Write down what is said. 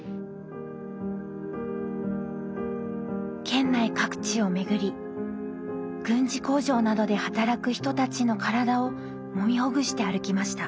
県内各地を巡り軍事工場などで働く人たちの体をもみほぐして歩きました。